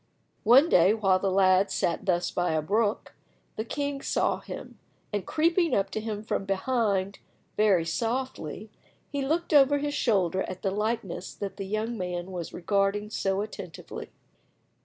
One day while the lad sat thus by a brook, the king saw him, and creeping up to him from behind very softly, he looked over his shoulder at the likeness that the young man was regarding so attentively.